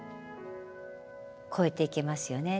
越えていけますよね。